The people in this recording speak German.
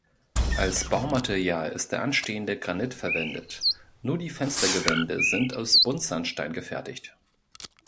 Als Baumaterial ist der anstehende Granit verwendet, nur die Fenstergewände sind aus Buntsandstein gefertigt.